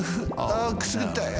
あくすぐったい。